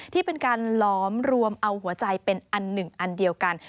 ที่เป็นการหลอมรวมเอาหัวใจเป็นอันหนึ่งอันเดียวกัน